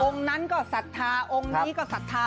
องค์นั้นก็สัทธาองค์นี้ก็สัทธา